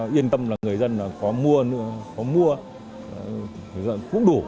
yên tâm là người dân có mua có mua cũng đủ